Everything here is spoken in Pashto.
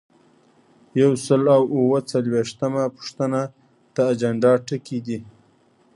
یو سل او اووه څلویښتمه پوښتنه د اجنډا ټکي دي.